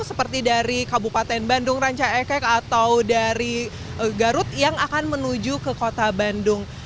seperti dari kabupaten bandung ranca ekek atau dari garut yang akan menuju ke kota bandung